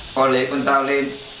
con lấy con dao lên